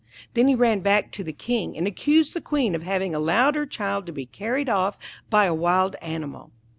Then he ran back to the King, and accused the Queen of having allowed her child to be carried off by a wild animal.